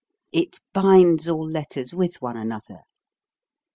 It binds all letters with one another.